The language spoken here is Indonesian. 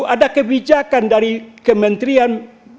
ada kebijakan dari kementerian